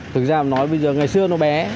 thực ra nói bây giờ ngày xưa nó bé